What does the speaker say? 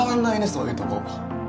そういうとこ。